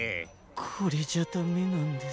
これじゃダメなんです。